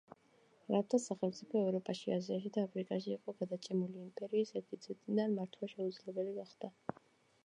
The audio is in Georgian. არაბთა სახელმწიფო ევროპაში, აზიაში და აფრიკაში იყო გადაჭიმული, იმპერიის ერთი ცენტრიდან მართვა შეუძლებელი გახდა.